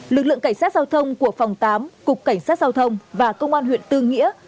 lực lượng cảnh sát giao thông của phòng tám cục cảnh sát giao thông và công an huyện tư nghĩa